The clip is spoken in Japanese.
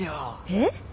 えっ！？